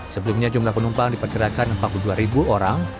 sebelumnya jumlah penumpang diperkirakan empat puluh dua orang